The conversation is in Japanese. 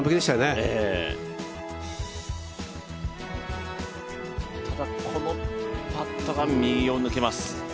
ただ、このパットが右を抜けます。